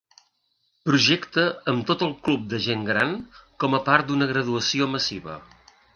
Projecte amb tot el club de gent gran, com a part d'una graduació massiva.